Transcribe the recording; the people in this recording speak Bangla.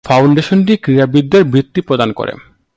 ফাউন্ডেশনটি ক্রীড়াবিদদের বৃত্তি প্রদান করে।